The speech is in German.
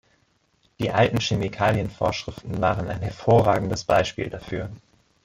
Die alten Chemikalienvorschriften waren ein hervorragendes Beispiel dafür.